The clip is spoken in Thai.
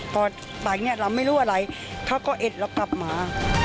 พอไปเนี่ยเราไม่รู้อะไรเขาก็เอ็ดเรากลับมา